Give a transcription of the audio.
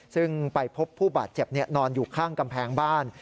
ซึ่งไปพบผู้บาดเจ็บนอนอยู่ข้างกำแพงบ้าน